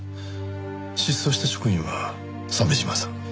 失踪した職員は鮫島さん。